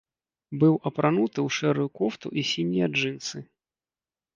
Быў апрануты ў шэрую кофту і сінія джынсы.